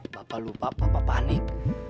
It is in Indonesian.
bapak lupa bapak panik